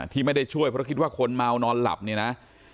ที่ไม่ได้ช่วยเพราะคิดว่าคนเมานอนหลับเนี่ยนะ